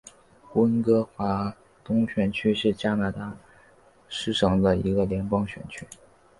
温哥华东选区是加拿大卑诗省的一个联邦选区。